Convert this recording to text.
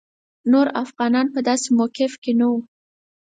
نور افغانان په داسې موقف کې نه وو.